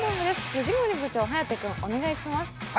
藤森部長、颯君、お願いします。